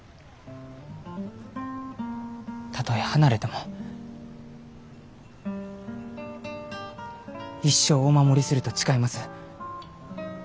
たとえ離れても一生お守りすると誓います。